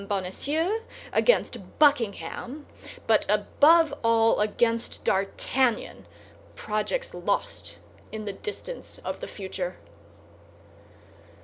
Bonacieux, against Buckingham, but above all against D'Artagnan—projects lost in the distance of the future.